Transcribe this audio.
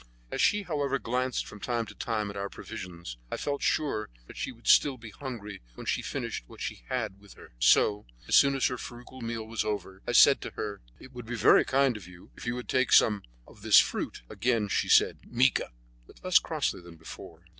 As she, however, glanced from time to time at our provisions, I felt sure that she would still be hungry when she had finished what she had with her; so, as soon as her frugal meal was over, I said to her: "It would be very kind of you if you would take some of this fruit." Again she said "Mica!" but less crossly than before.